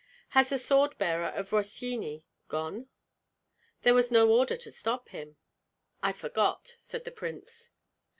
"Has the sword bearer of Rossyeni gone?" "There was no order to stop him." "I forgot!" said the prince.